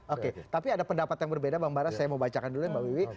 oke tapi ada pendapat yang berbeda bang bara saya mau bacakan dulu mbak wiwi